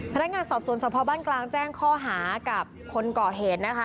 พนักงานสอบสวนสภบ้านกลางแจ้งข้อหากับคนก่อเหตุนะคะ